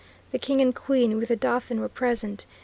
The King and Queen with the Dauphin were present.